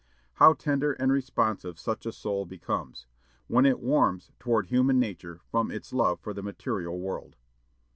How tender and responsive such a soul becomes! How it warms toward human nature from its love for the material world!